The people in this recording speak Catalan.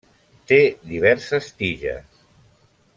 Té diverses tiges.